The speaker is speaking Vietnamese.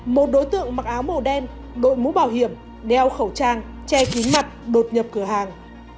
một đối tượng mặc áo màu đen đội mũ bảo hiểm đeo khẩu trang che kín mặt đột nhập cửa hàng